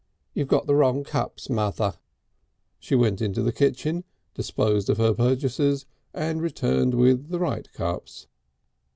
"You've got the wrong cups, Mother." She went into the kitchen, disposed of her purchases, and returned with the right cups.